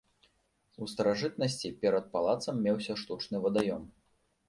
У старажытнасці перад палацам меўся штучны вадаём.